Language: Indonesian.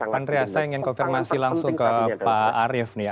pak andreas saya ingin konfirmasi langsung ke pak arief nih